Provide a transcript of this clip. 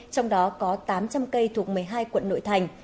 trong đó có tám trăm linh cây thuộc một mươi hai quận nội thành